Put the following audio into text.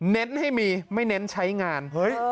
เน้นให้มีไม่เน้นใช้งานเฮ้ย